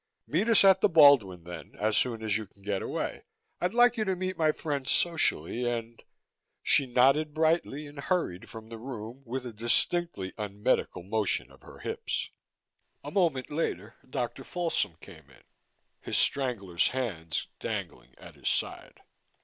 "Meet us at the Baldwin, then, as soon as you can get away. I'd like you to meet my friends socially and " She nodded brightly and hurried from the room, with a distinctly unmedical motion of her hips. A moment later Dr. Folsom came lounging in, his strangler's hands dangling at his side.